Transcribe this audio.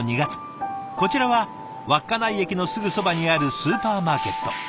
こちらは稚内駅のすぐそばにあるスーパーマーケット。